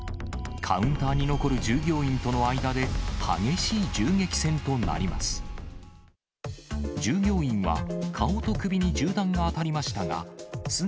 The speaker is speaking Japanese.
カウンターに残る従業員との間で激しい銃撃戦となります。